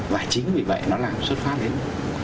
và chính vì vậy nó làm xuất phát đến